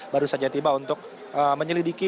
baru saja tiba untuk menyelidiki